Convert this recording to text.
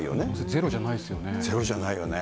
ゼロじゃないよね。